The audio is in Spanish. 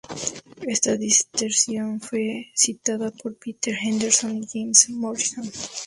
Esta disertación fue citada por Peter Henderson y James H. Morris Jr.